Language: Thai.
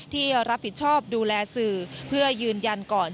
ที่รับผิดชอบดูแลสื่อเพื่อยืนยันก่อน